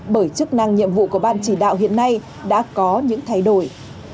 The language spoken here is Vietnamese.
bởi chức năng nhiệm vụ của ban chỉ đạo hiện nay đã có những thay đổi